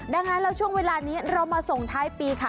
ดังนั้นแล้วช่วงเวลานี้เรามาส่งท้ายปีค่ะ